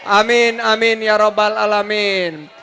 amin amin ya rabbal alamin